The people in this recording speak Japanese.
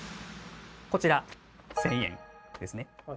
こちら１，０００円ですね。